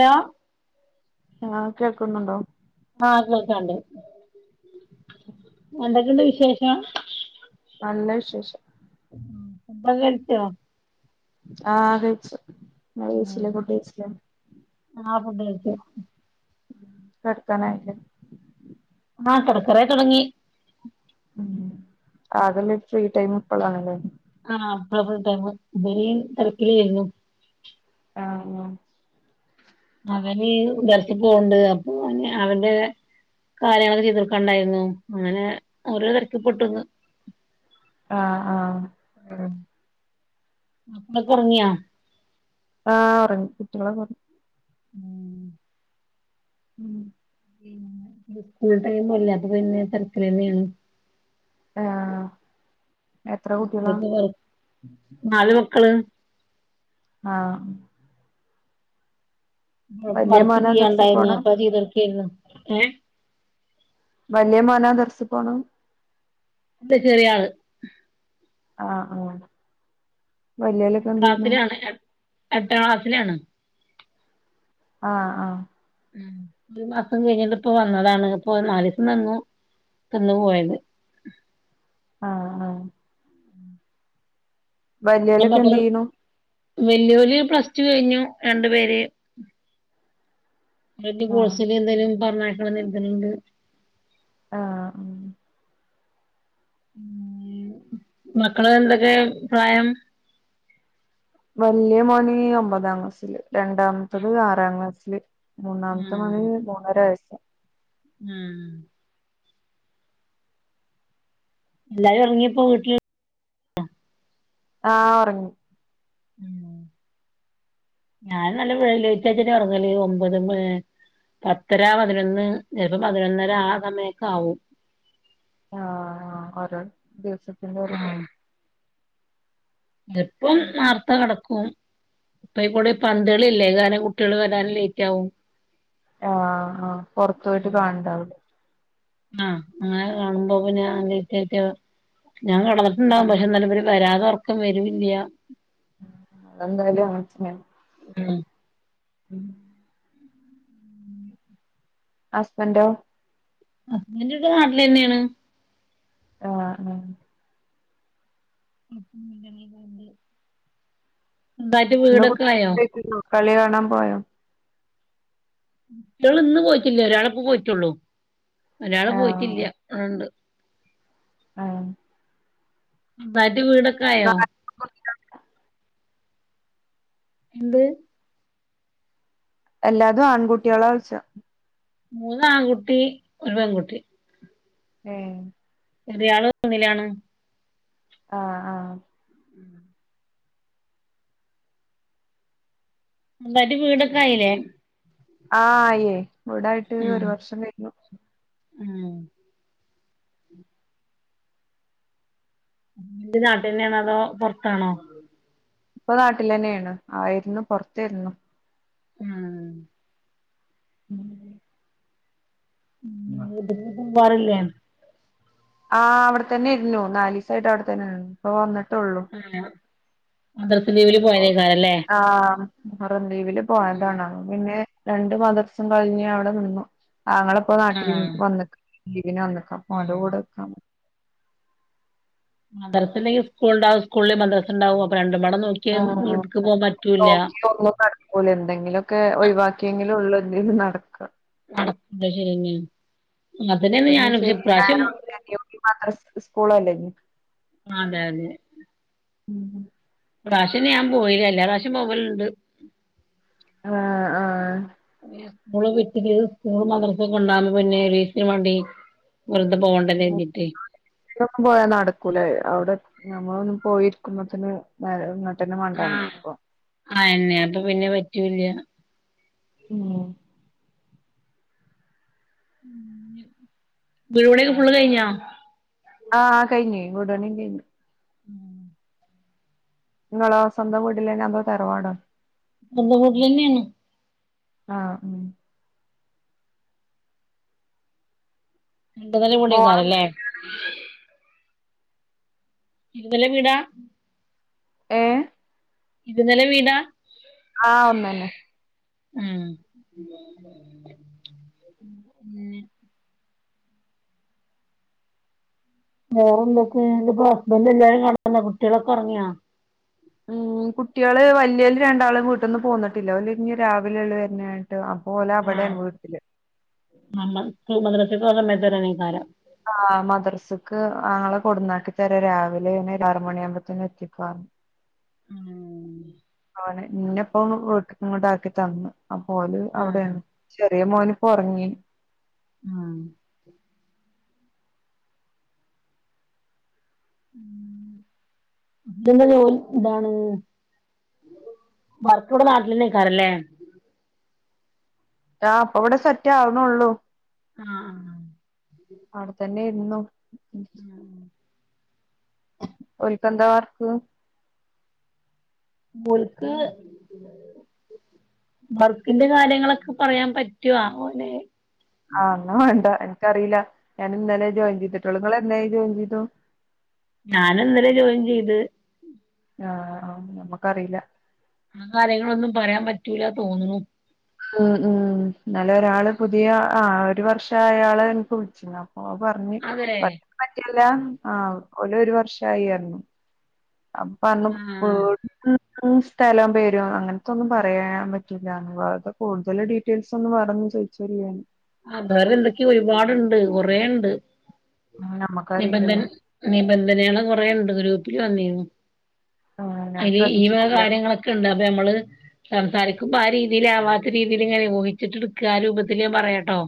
ആ ആ കേൾക്കുന്നുണ്ടോ ആ കേൾക്കുന്നുണ്ട് എന്തൊക്കെയണ്ട് വിശേഷം നല്ല വിശേഷം സംഭം കഴിച്ചോ [unintelligible] ആ കഴിച്ചു നിങ്ങൾ കഴിച്ചില്ലേ ഫുഡ് കഴിച്ചില്ലേ ആ ഫുഡ് കഴിച്ച കടത്തനയിലെ ആ തുടക്കറ തുടങ്ങി ഉം ആതലെ ഫ്രീ ടൈം ഇപ്പളണല്ലേ ആ അപ ഇ തിരക്കില ആായിരുന്നു ആഹ് അവന് കുട്ടി ദരസപ്പുണ്ട് അപ്പൊ അവന്റെ കാര്യങ്ങളതൊക്കെ എതിർക്കണ്ടായിരുന്നു അങ്ങനെ ഓരോ തിരക്കി പൊട്ടുന്ന് ആ ആ ആ മക്കൾ ഉറങ്ങിയാ ആ ഉറങ്ങി കുട്ടികൾ ഉറങ്ങി ഉം ഉം സ്കൂൾ ടൈം അല്ലെ അപ്പോ പിന്നെ തീർക്കിലെന്നെയാണ് ആഹ് എത്ര കുട്ടികളാ അക്ക നാല് മക്കള് ആ വർക്ക് മോനാ ദർസി ചെയ്യാണ്ടായിരുന്നു പോണെ അപ്പ അത് ചെയ്തൊടുക്കായിരുന്നു വലിയ മോനാ ദർസിൽ പോണ് അത ചെറിയ ആള് ആ ആ എാം ക്ലാസ്സിലാണ് എ എട്ടാം ക്ലാസ്സിലാണ് ആഹ ആഹ ഉ ഒരു മാസം കഴിഞ്ഞിട്ട് ഇപ്പ വന്നതാണ് ഇപ്പൊ മാലിസം നന്നു ക്ക്ന്ന് പോയത്. ആ ഹാ. വല്ലിയോലൊക്കെ എന്ത് ചെയ്യ്ണു? വല്ലിയോല് പ്ലസ്സ് ടു കഴിഞ്ഞു രണ്ടു പേര്. അയ്ന്റെ ആഹ് കോഴ്സിന് എന്തേലും പറഞ്ഞേക്കണം നേർദ്ണ്ട്. ആ മം. മക്കള് എന്തൊക്കെ പ്രായം? വല്ല്യാ മോന് ഒമ്പതാം ക്ലാസ്സില് രണ്ടാമത്തത് ആറാം ക്ലാസ്സില്. മൂന്നാമത്തെ മകന് മൂന്നര വയസ്സ്. മം എല്ലാരും ഉറങ്ങിയപ്പോ വീട്ടിൽ ആ ഒറങ്ങി. മം ഞാൻ നല്ല വെയ് ലെയ്തായിട്ടേന്നെ ഉറങ്ങല് ഒമ്പത് മേ പത്തര പതിനൊന്ന് ചെലപ്പോ പതിനൊന്നര ആ സമയൊക്കെ ആവും. ആ ഓരോ ദിവസത്തിന്റെ ഇത് ചെപ്പം ന്നാർത്തെ കെടക്കും. ഇപ്പയ്ക്കൂടെ പന്തള്ളി ഇല്ലേ കാരണം കുട്ടികള് വരാന് ലേയ്റ്റാവും. ആ ആഹ് പൊറത്തോയിട്ട് കാ ണ്ഇണ്ടാവുംലെ ആ അങ്ങനെ കാണുമ്പോ പിന്നെ അതിന്റെറ്റ ഞാൾ കെടന്ന്ട്ടുണ്ടാവും ഉം പക്ഷെ ന്നാലിവർ വെരതെ ഉറക്കം വരൂല്ല്യാ. [unintelligible] ആ മം ഹസ്ബന്റോ? ഹുസ്ബന്റ് ഇവിടെ നാട്ടിലെന്നെണ്. ആ ആ. [inaudible] സ്വന്തായിട്ട് ഇന്ന് വീടൊക്കെ കുട്ടി ആയോ [unintelligible] കളി കാണാൻ പോയോ? കുട്ടിയാൾ ഇന്ന് പോയിട്ടില്ല ഒരാളിപ്പോ പോയിട്ടൊള്ളൂ ഒരാൾ പോയിട്ടില്ല ഇവടെണ്ട്. ആ തായിട്ട് വീടൊക്കെ ആയോ? എന്ത്? എല്ലാതും ആൺകുട്ടിയാളാഓഴ്ച്ച? മൂന്ന് ആൺകുട്ടി ഒര് പൺകുട്ടി. മം എന്തിയാള് ഒന്നിലാണ്. ആ ആ. സ്വന്തായിട്ട് വീടൊക്കെ ആയില്ലേ? ആ ആയിയെ വീടായിട്ട് ഒരു വർഷം കഴിഞ്ഞു. ആ ന്റ് ന്നാട്ടിലെന്നേണോ അതോ പൊ റത്താണോ? ഇപ്പൊ നാട്ടിലെന്നെണ് ആയിരുന്നു പോറെത്തേർന്നു. ആ മം [unintelligible] റില്ലേ? ആ അവിടെ തന്നെര്ന്നു നാലീസായിട്ട് അവിടെ തന്നെആയിരുന്നു ഇപ്പോ വന്നിട്ട് ആ മദ്രസ്സ ലീവില് പോയതായിക്കാരിംലെ? മറം ദീപില് പോയതാണ് പിന്നെ രണ്ട് മദർസം കഴിഞ്ഞ് അവിടെ നിന്നു ആങ്ങളിപ്പോ ആഹ് നാട്ടില്ഇ ആഹ് വന്നക് ലീവിന് വന്നക്ക ഓൻ്റെ ഉം കൂടെ നിക്കാന് മദർസ ഇല്ലെങ്കി സ്കൂളുണ്ടാവും സ്കൂളില്ലെ മദർസ ഇണ്ടാവും അപ്പ രണ്ടും ആ നോക്ക നോക്കി ഒന്നും നടക്കൂല എന്തെങ്കിലുക്കെ ഒഴിവാക്കിയെങ്കിലും ഉള്ളത് എന്തേനും നടക്ക നട ത് ശരിന്ന മൂത്തതിന് ശനി ഞായറും [unintelligible] മാത്രം സ്കൂളല്ലേ ഞി അതെ അതെ ഉം ഇപ്രാവശ്യം ഞാൻ പോയില്ല എല്ലാ പ്രാവശ്യം പോവലുണ്ട് ആഹ് ആഹ് സ്കൂള് വിറ്റില് സ്കൂള് മദർസേ കൊണ്ടാക് ന്ന് [unintelligible] [unintelligible] പോയാ നടക്കൂലേ അവിടെ നമ്മള് ഒന്ന് പോയിരിക്കുമ്പത്തന് ഇങ്ങട്ടന്നെ മണ്ടാനും ഇപ്പൊ അയന്നെ അപ്പ പിന്നെ പറ്റൂല ഉം ഉം വിടുപണിക്കെ ഫുള്ള് കഴിഞ്ഞാ ആഹ് കഴിഞ്ഞ് വീട് പണി കഴിഞ്ഞു ഉം ഇങ്ങളോ സ്വന്തം വീട്ടിലെന്നാ അതോ തറവാടോ സ്വന്തം വീട്ടലെന്നാണ് ആഹ് ഉം രണ്ട് നെല മോള് വീടക്കാവുല്ലേ ഇരുനെല വീടാ ഏ ഇരു നില വീടാ ആഹ് ഒന്നന്നെ ഉം മുന്നേ വേറെ എന്തൊക്കെ ന്റെ ഇപ്പ ഹസ്ബൻഡ് എല്ലാവരും കെടന്ന കുട്ടികളൊക്കെ ഒറങ്ങിയാ ഉം കുട്ടികള് വല്ല്യവര് രണ്ടാളും വീട്ട്ന്ന് പോന്നിട്ടില്ല ഓല് ഞ് രാവിലെള്ള വരുന്ന് ത് അ ഓല് ആഹ് അവിടെണ് വീട്ടില് [unintelligible] ആഹ് മദ്രസക്ക് ആളെ കൊടന്നാക്കി തരാം രാവിലെന്നെ ആറ് മണി ആകുമ്പോഴത്തേന്നും എത്തിക്കാ റഞ്ഞു ആഹ് അവനെ ഇന്നെപ്പോ വീട്ടിക്ക് ഇങ്ങട് ആക്കി തന്നു അപ്പോല് ആഹ് അവിടെയാണ് ചെറിയ മോനിപ്പോ ഒറങ്ങി ആഹ് ഉം ഇതെന്താ ജോലി ഇതാണ് വർക്ക് വടെ നാട്ടിലെന്നെ ഏൽക്കാറല്ലേ ആ അപ്പൊ ഇവിടെ സെറ്റ് ആവുണുള്ളു ആഹ് ആഹ് അവിടെ തന്നെ ഇരുന്നോ ഉം ഓൽക്ക് എന്താ വർക്ക് മോൾക്ക് വർക്കിന്റെ കാര്യങ്ങളൊക്കെ പറയാൻ പറ്റുവ ഓന് ആഹ് ന്ന വേണ്ട അറിയില്ല ഞാൻ ഇന്നലെ ജോയിൻ ചെയ്തിട്ടുള്ളൂ നിങ്ങള് എന്നായി ജോയിൻ ചെയ്തു ഞാന് ഇന്നലെ ജോയിൻ ചെയ്ത് ആഹ് ആം നമ്മക്കറിയില്ല ആ കാര്യങ്ങളൊന്നും പറയാൻ പറ്റൂല തോന്നുണു ഉം ഉം നല്ല ഒരാള് പുതിയ ആ ഒരു വർഷം അയാള് എനിക്ക് വിളിച്ചിനു ഓ പറഞ്ഞു അതെ [unintelligible] പറ്റൂല്ല ആഹ് ഓലൊരു വർഷായി പറ്ഞ്ഞു അപ്പറ്ഞ്ഞു ആഹ് [unintelligible] [unintelligible] ഉം സ്ഥലം പേരും അങ്ങനത്തൊന്നും പറയാൻ പറ്റൂലാന്ന് [unintelligible] കൂടുതൽ ഡീറ്റെയിൽസ് ഒന്നും പറഞ്ഞ് ഞാൻ ചായ്ച്ചോ ലെന്ന് ആ വേറെ എന്തൊക്കെയോ ഒരുപാടുണ്ട് കൊറേണ്ട് ഉം നിബന്ധന നമ്മക്കറിയില്ലല്ലോ നിബന്ധനേള് കൊറേുണ്ട് ഗ്രൂപ്പിൽ വന്നിന്നു ആ ഞാൻ അയ്ല് ഈ വക ശ്രദ്ധിച്ചിട്ടില്ല കാര്യങ്ങളൊക്കെണ്ട് അപ്പൊ നമ്മള് സംസാരിക്ക് ക്ക്പ്പ ആ രീതിയിലാവാത്ത രീതിൽ ഇങ്ങനെ ഊഹിച്ചിട്ട്ട്ക്ക ആ രൂപത്തില് പറയാട്ടോ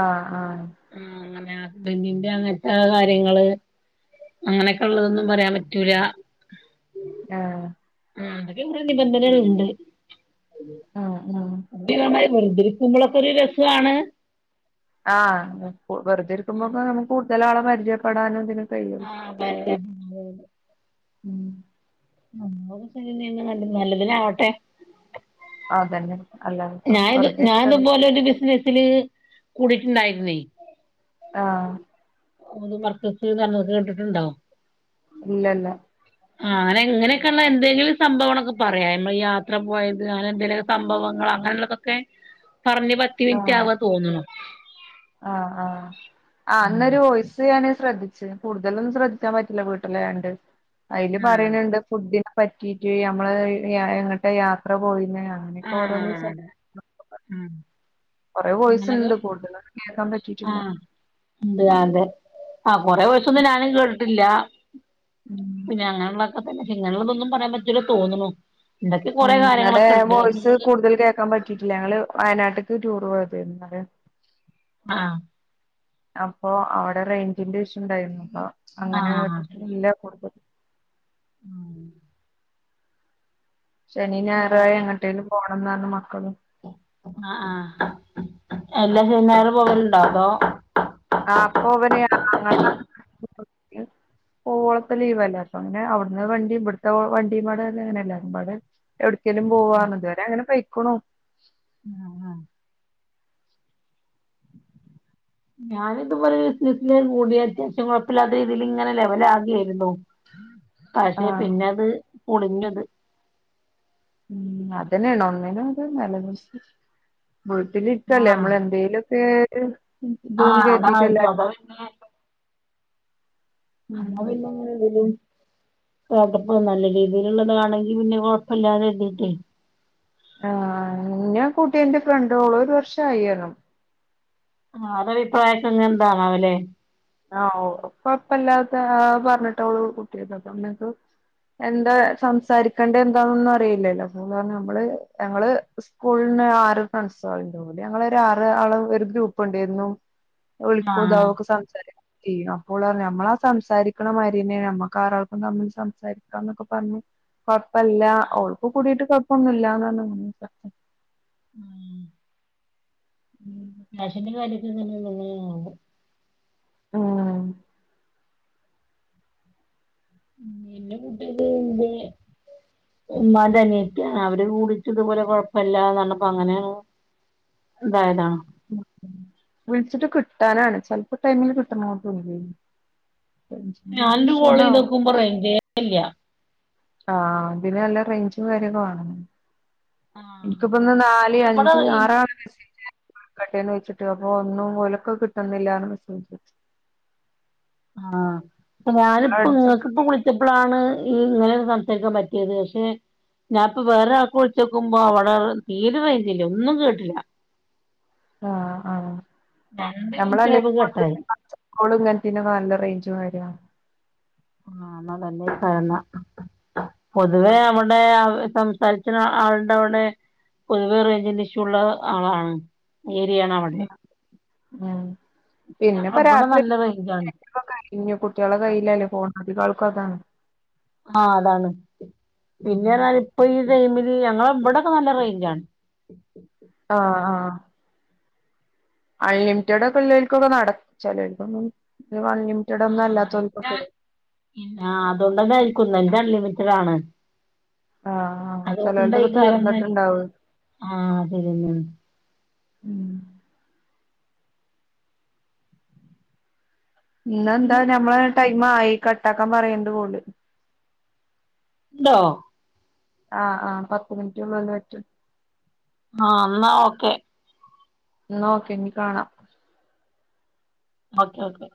ആഹ് ആഹ് ആഹ് അങ്ങനെ ഹസ്ബന്റിന്റെ അങ്ങനത്തെ കാര്യങ്ങള് അങ്ങനെയൊക്കെ ഉള്ളതൊന്നും പറയാൻ പറ്റൂല ആഹ് ആ എന്തൊക്കെണ്ട് നിബന്ധനകള്ണ്ട് ആഹ് ആഹ് വെറുതിരിക്കുമ്പോളക്കെ ഒരു രസുആണ് ആഹ് കൂ വെറുതെ ഇരിക്കുമ്പോപ്പം നമുക്ക് കൂടുതലാളെ പരിചയപ്പെടാനും ഇതിനും കഴിയും ആഹ് അതെന്നേ ഉം [unintelligible] [unintelligible] നല്ലതിനാവട്ടെ അതന്നെ അല്ലാതിപ്പം ഞാൻത് വെറുതെ ഞാൻ ഇരിക്കാണ്. ഇതുപോലൊരു ബിസിനസ്സില് കൂടിട്ടുണ്ടായിരുന്നേ ആഹ് ഊത് മർക്കസ്ന്ന്പറ്ഞ്ഞ് കേണ്ടിട്ടുണ്ടോ ഇല്ല ഇല്ല ആ ങ്ങനെ ഇങ്ങനെയൊക്കെയ ഉള്ള എന്തെങ്കിലും സംഭവങ്ങളൊക്കെ പറയാം നമ്മൾ യാത്ര പോയത് അങ്ങനെ എന്തെലും സംഭവങ്ങൾ അങ്ങനെള്ളതൊക്കെ പറഞ്ഞ് പത്ത് ആ മിനിറ്റ് ആവ തോന്നുണു ആഹ് ആഹ് ആ അന്നൊരു വോയ്സ് ഞാന് ശ്രദ്ധിച്ചു ച്ച് കൂടുതലൊന്നും ശ്രദ്ധിക്കാൻ പറ്റില്ല വീട്ടിലായോണ്ട് അയ്ല് ആഹ് പറയ്ണണ്ട് ഫുഡനെ പറ്റീട്ട് നമ്മള് എ എങ്ങട്ടാ യാത്ര പോയിന്നേ അങ്ങനെയൊക്കെ ഓരോന്ന് ആഹ് സം അതെ ഉം കൊറേ വോയിസ് അങ്ങനൊക്കെ ഉണ്ട് കൂടുതലൊന്നും കേൾക്കാൻ പറ്റിയിട്ടില്ല ആഹ് എന്ത് ആതെ ആ കൊറേ വോയ്സൊന്നും ഞാനും കേട്ടിട്ടില്ല ഉം പിന്നെ അങ്ങനെള്ളൊക്കെ തന്നെ ഇിങ്ങനെള്ളതൊന്നും പറയാൻ പറ്റൂല്ല തോന്നണു ഉം [unintelligible] വോയ്സ് കൂടുതൽ കേൾക്കാൻ പറ്റിയിട്ടില്ല ഞങ്ങള് വയനാട്ട്ക്ക് ടൂറ് പോയതെയ്നി ന്നലെ ആഹ് അപ്പൊ അവിടെ റേയ്ഞ്ചിന്റെ ഇഷു ഉണ്ടായിര്ന്നു പ്പം അങ്ങനെ കേട്ടിട്ടില്ല കടുതൽ ആഹ് ശനിം ഞായറായി എങ്ങട്ടേലും പോണംന്നറ്ഞ്ഞ് മക്കള് ആ ആഹ് എല്ലാ ശനിം ഞായറും പോകലുണ്ടോ അതോ [unintelligible] പോവോളപ്പം ലീവല്ലേ അപ്പംങ്ങനെ അവിടുന്ന് വണ്ടിം ഇവിടത്തെ വണ്ടിംപ്പാടെ അങ്ങനെല്ലാരുംപാടെ എവിട്ക്കേലും പോവാറ്ഞ്ഞ് ഇതുവരെ അങ്ങനെ പൊയ്ക്കുണു ആഹ് ആഹ് ഞാനിത്പോലെ ഒരു [unintelligible] കൂടിയ അത്യാവശ്യം കൊഴ്പ്പല്ലാത്ത രീതിയിൽ ഇങ്ങനെ ലെവലാക്കിവരുന്നു പക്ഷെ ആഹ് പിന്നത് പൊളിഞ്ഞുത് ഉം അതന്നെയാണ് ഒന്നിനും ഒര് നലനിൽപ്പില്ല മുഴട്ട ഇട്ടല്ലേ ആഹ് നമ്മൾ എന്തെലുംൊക്കെ ആഹ് ഇത്ന്ന് അതാ കരുതിീട്ടല്ല അത് അതാ അപ്പോ പിന്നെയെങ്ങനെ ഇടല് [unintelligible] പോട്ടപ്പ നല്ല രീതിയിലുള്ളത് കാണെങ്കി പിന്നെ [unintelligible] ആ ഞാൻ കുട്ടിൻ്റെ ഫ്രണ്ടോഓള ഒരു വർഷ ആയിണം ആ അത അഭിപ്രായക്കെ എന്താണ അവലെ [unintelligible] ആ അപ്പ അപ്പ എല്ലാത്ത പറഞ്ഞിട്ടുള്ളൂ കുട്ടിയ അപ്പക്ക് [unintelligible] എന്താ സംസാരിക്കേണ്ടത് എന്താന്നൊന്നും അറിയില്ലല്ലോ അ നമ്മൾ ഞങ്ങൾ സ്കൂള ആറ് ഫ്രണ്ട്സ് കൂടി ഞങ്ങൾ ആറ് ആള് ഒരു ഗ്രൂപ്പ് ഉണ്ടായിരുന്നു ഉളിക്കോത് ആഹ് അവക്ക സംസാര [unintelligible] [inaudible] അപ്പോൾ നമ്മളാ സംസാരിക്കണ മരീനെ നമ്മക്ക് ആരാൾക്കും തമ്മിൽ സംസാരിക്കണം എന്നൊക്കെ [unintelligible] കൊഴപ്പല്ല ഉൾപ്പ കൂടിട്ട് കൊഴപ്പൊന്നുമ ഇല്ലന്ന് ഉം ഉം രാഷിന്റെ കാര്യൊക്കെ [inaudible] [unintelligible] ആഹ ഉ പിെ കട്ടത്്പ [unintelligible] [inaudible] ഉമ്മാൻ്റെ അനിയത്തി അവര് കൂടിട്ട് ഇതുപോലെ കുഴപ്പമില്ല പറഞ്ഞപ്പോൾ അങ്ങനെ എന്തായാണ് വിളിച്ചിട്ട് കിട്ടാനാണ് ചെലപ്പോ ടൈമിന് കിട്ടണങ്ങോട്ട് [unintelligible] ഞാനൊരു കോൾചെയ്തപ്പോ റെയിഞ്ച് ഇല്ല [unintelligible] ആഹ അത് പിന്നെ നല്ല റേഞ്ചും കാര്യൊക്കെ വേണം ആഹ് എനിക്കിപ്പോ ഒന്ന് നാല് പക്ഷെ ഇവിടെ അഞ്ച് ഈ ആറാണ് മെസ്സ [inaudible] കട്ടിയന്ന് വെച്ചിട്ട് അപ്പൊ ഒന്നും ഒലക്ക കിട്ടുന്നില്ലന്ന് വിശിച്ച ആഹ ഞാനിപ്പോ നിങ്ങൾക്ക് വിളിച്ചപ്പോളാണ് ഇങ്ങനെയൊരു സംസാരിക്കാൻ പറ്റിയത് പക്ഷെ [unintelligible] ഞാനിപ്പോ വേറെ ആൾക്ക് വിളിച്ചോക്കുമ്പോ അവിടെ തീരെ റേഞ്ചില്ല ഒന്നും കേട്ടില്ല ആഹ ആ രണ്ട് മിനിറ്റ് നമ്മളല്ലെ ആയപ്പോ കട്ടായി ഇങ്ങനക്കെ നല്ല റേഞ്ച [unintelligible] [inaudible] അ ആഹ എന്നാ തന്നെ പറന്ന [unintelligible] [inaudible] പൊതുവേ നമ്മുടെ സംസാരിച്ച ആളുടെ അവിടെ പൊതുവെ റേഞ്ചഷ്യംള്ള ആളാണ് ഏരിയാണ് അവിടെ ഉം പിന്നെ ഞങ്ങളെ ഇപ്പൊ ഇവിടെ നല്ല റേഞ്ചാണ് രാത്രിക്ക കഴിഞ്ഞു കുട്ടികളെ കയ്യില്ലല്ലേ ഫോൺ [inaudible] [unintelligible] ഒക്കെതാണ് ആഹ അതാണ് പിന്നെ പറാൽ ഇപ്പൊ ഈ മിതി ഞങ്ങളെ ഇവിടൊക്കെ നല്ല റേഞ്ചാണ് [unintelligible] ആഹ ആഹ അൺലിമിറ്റഡ് അൺലിമിറ്റഡ് ഒന്നും ആ് അല്ലാത്തോൽക്കൊക്കെ അതുകൊണ്ടന്ന കഴിക്കുന്ന [unintelligible] മിത്രാണ് ആഹ് ആഹ് അതൊണ്ട് ഈ ചിലർതൊക്കെ കാല എനിക്ക് തീർന്നിട്ടുണ്ടാവും ആഹ ശരിയന്ന [unintelligible] ഉം പിന്നെന്താ ഞമ്മളെ ടൈം ആയി കട്ടാക്കാൻ പറയനുണ്ട് കോൾ എന്തോ ആഹ ആഹ പത്ത് മിനിറ്റ് ഉളിന് [unintelligible] പറ്റും ആഹ എന്നാ ഓക്കെ എന്നാ ഓക്കേ പിന്നെ കാണാം ഓക്കെ ഓക്കെ